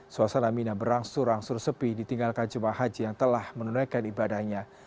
suasana mina berangsur angsur sepi ditinggalkan jemaah haji yang telah menunaikan ibadahnya